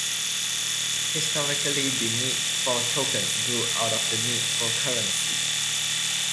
Historically the need for tokens grew out of the need for currency.